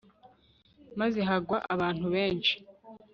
maze hagwa abantu benshi